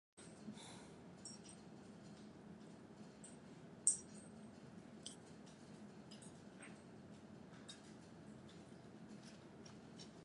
For its princely rulers the informal term Hill Rajas has been coined.